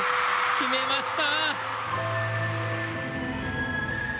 決めました！